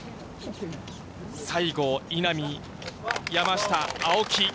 西郷、稲見、山下、青木。